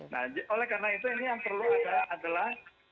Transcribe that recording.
nah oleh karena itu ini yang perlu ada adalah